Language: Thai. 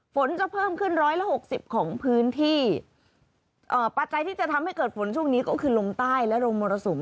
ฝนจะเพิ่มขึ้น๑๖๐ของพื้นที่ปัจจัยที่จะทำให้เกิดฝนช่วงนี้ก็คือลงใต้และลงมรสุม